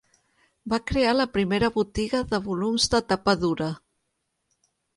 Va crear la primera botiga de volums de tapa dura.